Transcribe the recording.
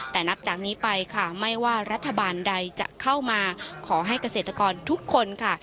แต่นับจากนี้ไปค่ะไม่ว่ารัฐบาลใดจะเข้ามาขอให้เกษตรกรทุกคนค่ะ